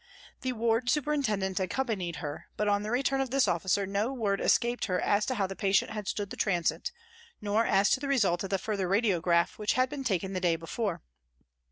The ward super intendent accompanied her, but on the return of this officer no word escaped her as to how the patient had stood the transit, nor as to the result of the further radiograph which had been taken the day before.